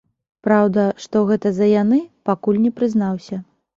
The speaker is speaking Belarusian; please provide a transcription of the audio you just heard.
Праўда, што гэта за яны, пакуль не прызнаўся.